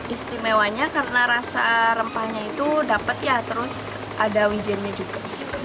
istimewanya karena rasa rempahnya itu dapat ya terus ada wijennya juga